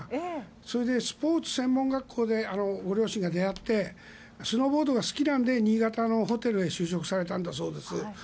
それでスポーツ専門学校でご両親が出会ってスノーボードが好きなので新潟のホテルへ就職されたそうです。